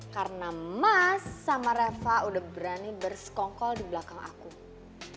karena mas sama reva udah berani bersekongkol di belakang